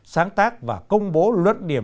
sáng tác và công bố luận điểm